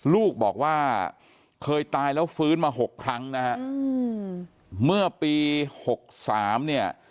ลูกบอกว่าเคยตายแล้วฟื้นมาหกครั้งนะฮะเมื่อปีหกสามเนี่ย